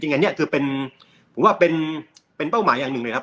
อันนี้คือเป็นผมว่าเป็นเป้าหมายอย่างหนึ่งเลยครับ